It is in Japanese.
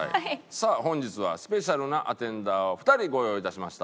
さあ本日はスペシャルなアテンダーを２人ご用意いたしました。